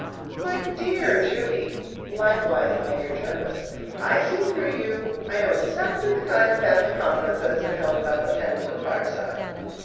My dear Judy, likewise my dear Jervis, I see through you! I know exactly the kind of family conference that has been held about the Pendleton fireside.